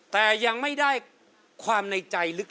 แต่ยังไม่ได้ความในใจลึก